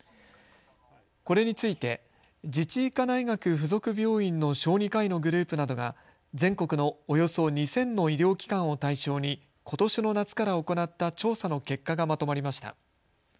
これについて自治医科大学附属病院の小児科医のグループなどが全国のおよそ２０００の医療機関を対象にことしの夏から行った調査の結果がまとまりました。